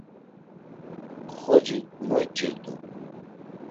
Xocik moyç̌irdu.